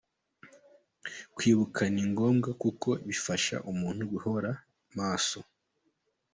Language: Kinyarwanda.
Kwibuka ni ngombwa kuko bifasha umuntu guhora maso.